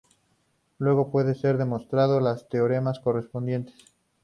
Luego pueden ser demostrados los teoremas correspondientes.